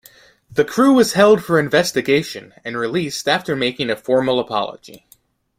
The crew was held for investigation and released after making a formal apology.